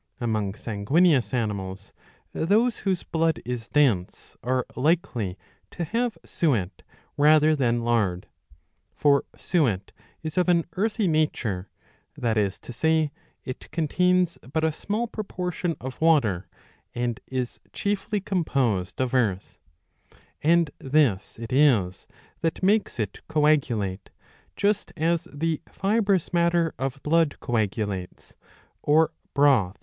* Among sanguineous animals those whose blood is dense are likely to have suet rather than lard. For suet is of an earthy nature, that is to say, it contains but a small proportion of water and is chiefly composed of earth ; and this it is that makes it coagulate, just as the fibrous matter of blood coagulates, or broth?